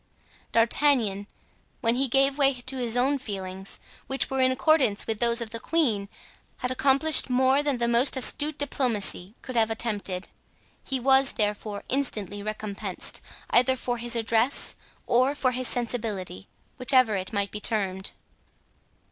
D'Artagnan, when he gave way to his own feelings—which were in accordance with those of the queen—had accomplished more than the most astute diplomacy could have attempted. He was therefore instantly recompensed, either for his address or for his sensibility, whichever it might be termed.